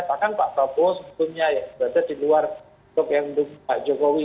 bahkan pak prabowo sebelumnya ya sudah ada di luar top yang untuk pak jokowi